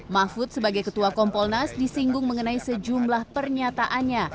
mahfud sebagai ketua kompolnas disinggung mengenai sejumlah pernyataannya